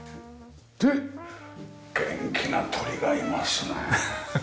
で元気な鳥がいますね。